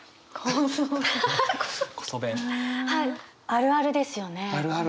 あるあるですよね。